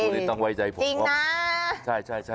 ยังต้องไว้ใจผมว่าจริงนะ